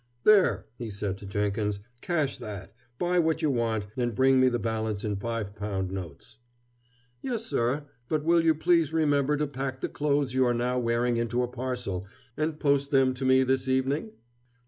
"There," he said to Jenkins, "cash that, buy what you want, and bring me the balance in five pound notes." "Yes, sir, but will you please remember to pack the clothes you are now wearing into a parcel, and post them to me this evening?"